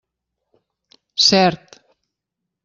Cert.